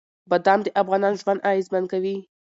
بادام د افغانانو ژوند اغېزمن کوي.